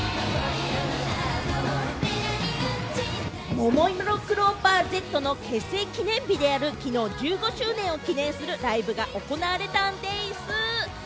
ももいろクローバーＺの結成記念日である昨日、１５周年を記念するライブが行われたんでぃす！